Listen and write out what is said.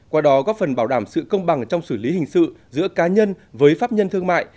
qua đó góp phần bảo đảm sự công bằng trong xử lý hình sự giữa cá nhân với pháp nhân thương mại